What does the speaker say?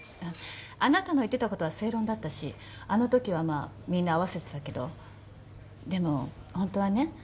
あなたの言ってたことは正論だったしあのときはまあみんな合わせてたけどでもホントはね